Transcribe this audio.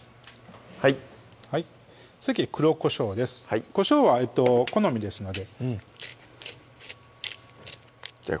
はいはい次黒こしょうですこしょうは好みですのでじゃあ